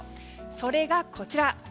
それが、こちら。